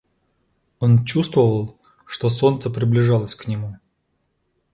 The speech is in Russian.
Он чувствовал, что солнце приближалось к нему.